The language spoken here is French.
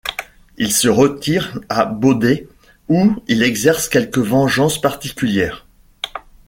Il se retire à Beaudet, où il exerce quelques vengeances particulières.